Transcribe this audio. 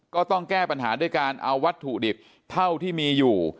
ก็ต้องแก้ปัญหาด้วยการเอาวัตถุดิบเท่าที่มีอยู่